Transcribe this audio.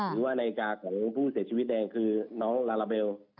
หรือว่านาฬิกาของผู้เสียชีวิตแดงคือน้องลาลาเบล